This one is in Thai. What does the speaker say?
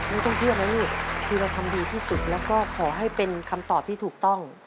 นี่ต้องเลือกอะไรนี่ที่เราทำดีที่สุดแล้วก็ขอให้เป็นคำตอบที่ถูกต้อง